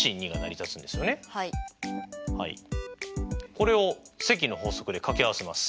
これを積の法則で掛け合わせます。